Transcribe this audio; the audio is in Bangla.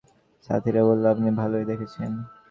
সাথীরা বলল, আপনি ভালই দেখেছেন।